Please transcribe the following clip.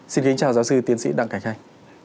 xin kính chào giáo sư tiên sĩ đặng cảnh khanh